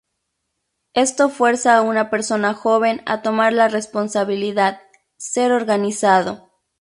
Esto fuerza a una persona joven a tomar la responsabilidad, ser organizado.